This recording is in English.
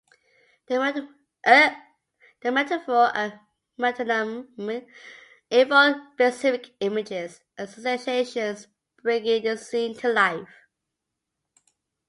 The metaphor and metonymy evoke specific images and sensations, bringing the scene to life.